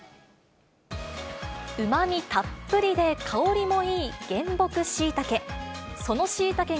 うまみたっぷりで香りもいい原木シイタケ。